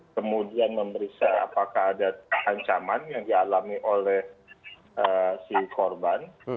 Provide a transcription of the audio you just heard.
kemudian memeriksa apakah ada ancaman yang dialami oleh si korban